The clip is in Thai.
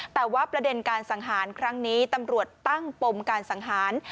แต่ว่าประเด็นการสังหารครั้งนี้ตำรวจตั้งปมการสังหาร